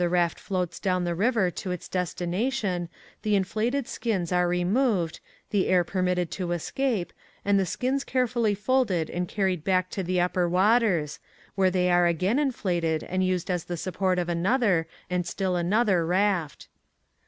raft lloats down the river to its desti nation the inflated skins are re moved, the air permitted to escape, and the skins carefully folded and carried back to the upper waters, where they are again inflated and used as the support of another, and still another raft.